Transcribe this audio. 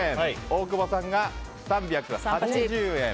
大久保さんが３８０円。